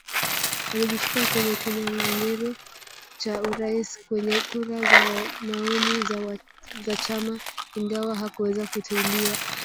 Alijitupa kwenye kinyanganyiro cha Urais kwenye kura za maoni za chama ingawa hakuweza kuteuliwa